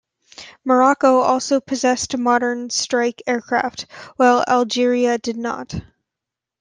Morocco also possessed modern strike aircraft, while Algeria did not.